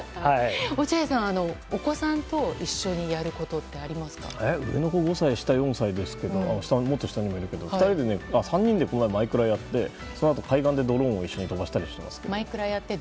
落合さんはお子さんと一緒に上の子５歳下の子４歳ですけどもっと下にもいるけど３人で「マイクラ」やってそのあと海岸でドローンを飛ばしたりしてます。